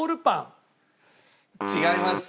違います。